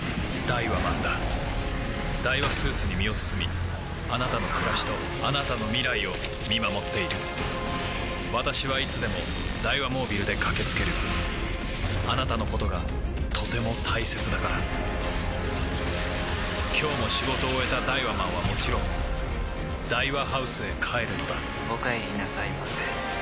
ダイワスーツに身を包みあなたの暮らしとあなたの未来を見守っている私はいつでもダイワモービルで駆け付けるあなたのことがとても大切だから今日も仕事を終えたダイワマンはもちろんダイワハウスへ帰るのだお帰りなさいませ。